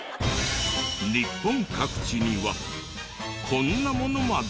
日本各地にはこんなものまで？